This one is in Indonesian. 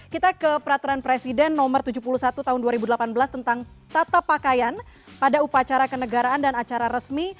kita ke peraturan presiden nomor tujuh puluh satu tahun dua ribu delapan belas tentang tata pakaian pada upacara kenegaraan dan acara resmi